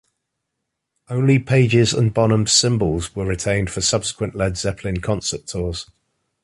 Only Page's and Bonham's symbols were retained for subsequent Led Zeppelin concert tours.